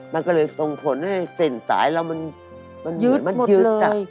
มันก็เลยส่งผลให้เส้นสายเรามันยืดมันยืน